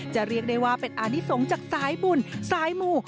เรียกได้ว่าเป็นอานิสงฆ์จากสายบุญสายมู